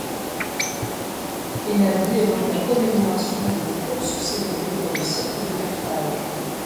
Ennabli évoque la commémoration d'une course célébrée dans le cirque de Carthage.